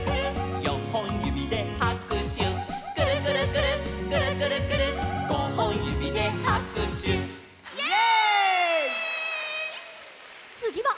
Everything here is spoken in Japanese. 「よんほんゆびではくしゅ」「くるくるくるっくるくるくるっごほんゆびではくしゅ」イエイ！